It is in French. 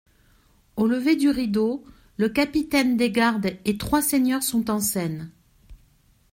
Au lever du rideau, le capitaine des gardes et trois seigneurs sont en scène.